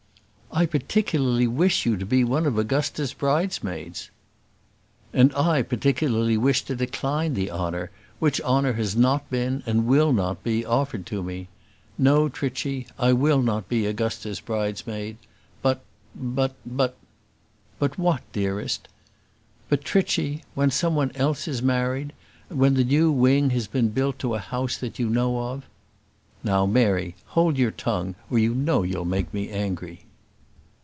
"I particularly wish you to be one of Augusta's bridesmaids." "And I particularly wish to decline the honour; which honour has not been, and will not be, offered to me. No, Trichy. I will not be Augusta's bridesmaid, but but but " "But what, dearest?" "But, Trichy, when some one else is married, when the new wing has been built to a house that you know of " "Now, Mary, hold your tongue, or you know you'll make me angry."